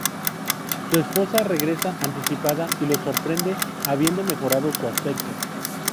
Su esposa regresa anticipada y lo sorprende habiendo mejorado su aspecto.